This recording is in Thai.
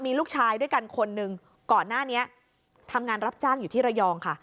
มีลูกชายด้วยกันคนหนึ่งก่อนหน้านี้ทำงานรับจ้างอยู่ที่ระยองค่ะ